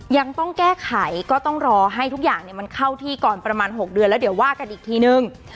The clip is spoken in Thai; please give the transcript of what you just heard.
ยังต้องแก้ไขก็ต้องรอให้ทุกอย่างมันเข้าที่ก่อนประมาณ๖เดือนแล้วเดี๋ยวว่ากันอีกทีนึง